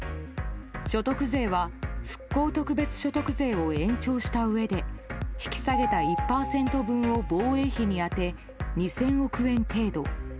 所得税は復興特別所得税を延長したうえで引き下げた１％分を防衛費に充て２０００億円程度。